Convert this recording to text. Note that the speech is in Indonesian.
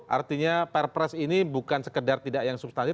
artinya perpres ini bukan sekedar tidak yang substantif